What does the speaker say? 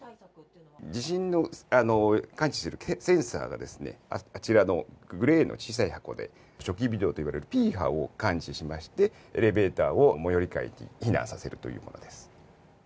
地震の感知するセンサーが、あちらのグレーの小さい箱で、初期微動といわれるＰ波を感知しまして、エレベーターを最寄り階に避難させるというものです。